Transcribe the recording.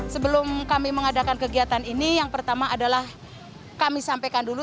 sebelum kami mengadakan kegiatan ini yang pertama adalah kami sampaikan dulu